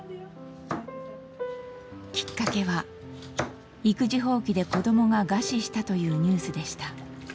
きっかけは育児放棄で子供が餓死したというニュースでした。